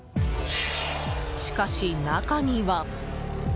しかし、中には。